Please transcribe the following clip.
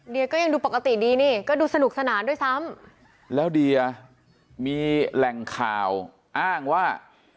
ก็ยังดูปกติดีนี่ก็ดูสนุกสนานด้วยซ้ำแล้วเดียมีแหล่งข่าวอ้างว่า